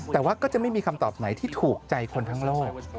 แต่ว่าก็จะไม่มีคำตอบไหนที่ถูกใจคนทั้งโลก